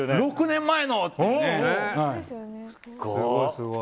６年前の！